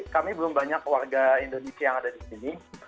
kami belum banyak warga indonesia yang ada di sini